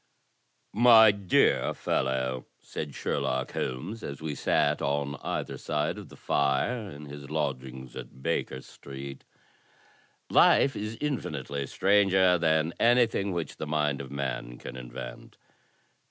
"My dear fellow," said Sherlock Holmes, as we sat on either side of the fire in his lodgings at Baker Street, "life is infinitely stranger than anjrthing which the mind of man can invent.